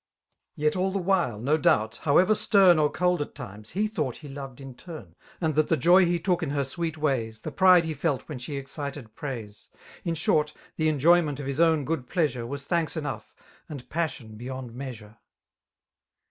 Yet all the while, no doubt, howev^ stern Or cold at times, he thought he loved in turn. And that the joy he took in her sweet ways. The pride he felt when she exdted praise, In short, the ^joyment of his own good pleasure,, Was thanks enough, and passion beyond measure.